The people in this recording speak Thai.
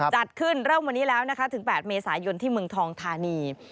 จัดขึ้นเริ่มวันนี้แล้วนะคะถึง๘เมษายนที่เมืองทองธานี